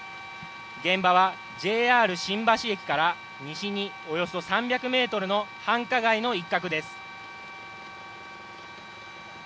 現場はＪＲ新橋駅から西におよそ３００ｍの繁華街の一角です。